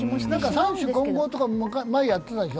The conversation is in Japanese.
三種混合とか前はやってたでしょ。